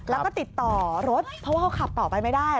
แล้วก็ติดต่อรถเพราะว่าเขาขับต่อไปไม่ได้